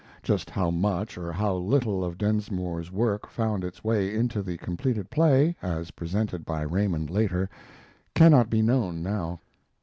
Just how much or how little of Densmore's work found its way into the completed play, as presented by Raymond later, cannot be known now.